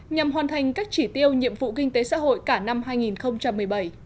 nhằm hoàn thành các chỉ tiêu nhiệm vụ kinh tế xã hội cả năm hai nghìn một mươi bảy